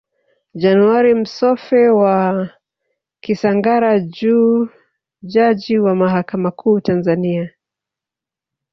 Januari Msofe wa Kisangara Juu Jaji wa mahakama kuu Tanzania